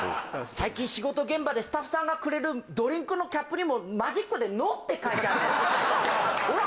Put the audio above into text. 最近仕事現場でスタッフさんがくれるドリンクのキャップにもマジックで「野」って書いてあるんだおら